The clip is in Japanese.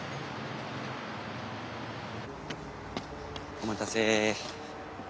お待たせ。